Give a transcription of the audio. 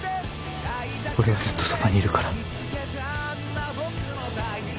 俺はずっとそばにいるから。